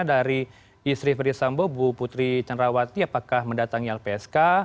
dari istri ferdisambo bu putri cenrawati apakah mendatangi lpsk